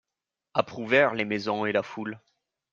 Approuvèrent les maisons et la foule.